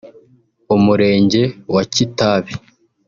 Umurenge wa Kitabi